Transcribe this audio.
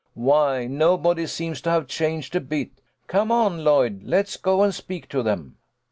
Why, nobody seems to have changed a bit. Come on, Lloyd, let's go and speak to them."